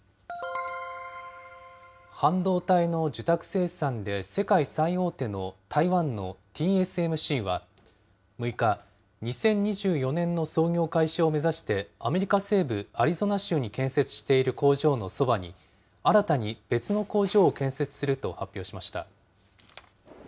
半導体の受託生産で世界最大手の台湾のＴＳＭＣは、６日、２０２４年の操業開始を目指して、アメリカ西部、アリゾナ州に建設している工場のそばに、新たに別の工場を建設すると発表しました。